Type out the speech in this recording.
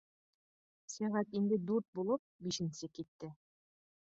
Сәғәт инде дүрт булып, бишенсе китте